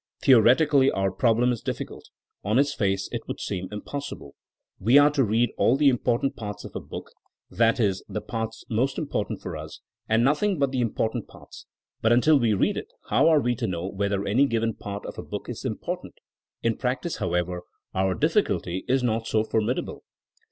Theoretically our problem is difficult; on its face it would seem impossible. We are to read all the important i>arts of a book; that is, the 174 THINEINO AS A SCIENCE parts most important for us, and nothing but the important parts. But until we read it how are we to know whether any given part of a book is important! In practice, however, our difficulty is not so formidable.